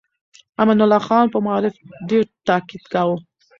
امان الله خان په معارف ډېر تاکيد کاوه.